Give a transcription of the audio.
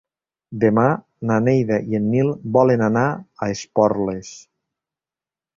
Demà na Neida i en Nil volen anar a Esporles.